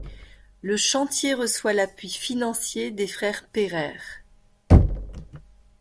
Le chantier reçoit l'appui financier des frères Pereire.